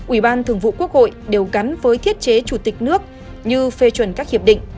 ủy ban thường vụ quốc hội đều gắn với thiết chế chủ tịch nước như phê chuẩn các hiệp định